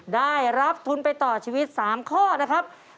ได้รับทุนไปต่อชีวิต๓ข้อนะครับ